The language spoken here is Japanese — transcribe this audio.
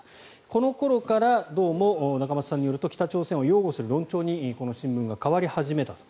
この頃からどうも仲正さんによると北朝鮮を擁護する論調にこの新聞が変わり始めたと。